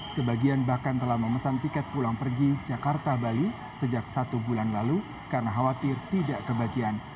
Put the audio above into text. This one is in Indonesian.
sebagian bahkan telah memesan tiket pulang pergi jakarta bali sejak satu bulan lalu karena khawatir tidak kebagian